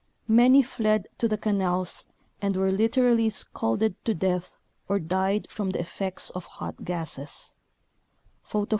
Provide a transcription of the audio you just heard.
Many fled to the canals and were literally scalded to death or died from the effects of hot gases (Photo 46).